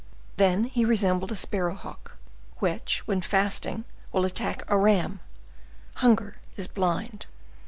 Then he resembled the sparrow hawk, which, when fasting, will attack a ram. Hunger is blind.